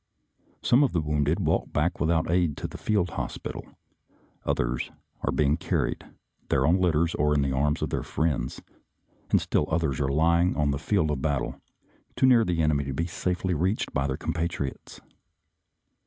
Some of the wounded walk back without aid to the field hos pital, others are being carried there on litters or in the arms of their friends, and still others are lying on the field of battle, too near the enemy to be safely reached by their compatriots.